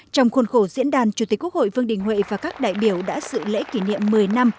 trong khuôn khổ diễn đàn chủ tịch quốc hội vương đình huệ và các đại biểu đã sự lễ kỷ niệm một mươi năm